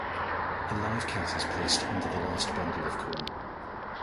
A live cat is placed under the last bundle of corn.